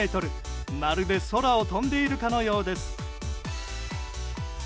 まるで空を飛んでいるかのようです。